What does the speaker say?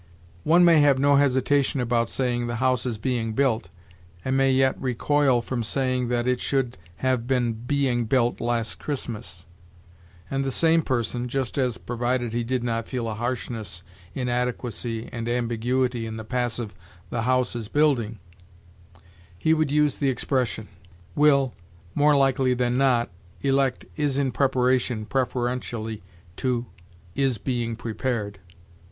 One may have no hesitation about saying 'the house is being built,' and may yet recoil from saying that 'it should have been being built last Christmas'; and the same person just as, provided he did not feel a harshness, inadequacy, and ambiguity in the passive 'the house is building,' he would use the expression will, more likely than not, elect is in preparation preferentially to is being prepared.